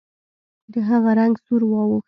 د هغه رنګ سور واوښت.